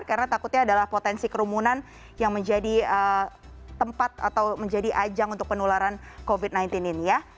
karena takutnya adalah potensi kerumunan yang menjadi tempat atau menjadi ajang untuk penularan covid sembilan belas ini ya